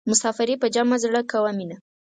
مسافري په جمع زړه کوه مینه.